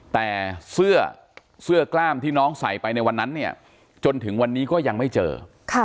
แต่เสื้อเสื้อกล้ามที่น้องใส่ไปในวันนั้นเนี่ยจนถึงวันนี้ก็ยังไม่เจอค่ะ